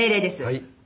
はい。